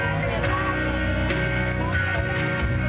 ไม่รัก